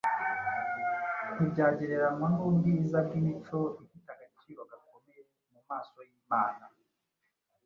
ntibyagereranywa n’ubwiza bw’imico ifite agaciro gakomeye mu maso y’Imana.